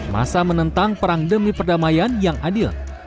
masa menentang perang demi perdamaian yang adil